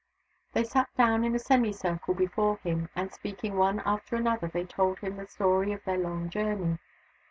They sat down in a semi circle before him, and, speaking one after another, they told him the story of their long journey.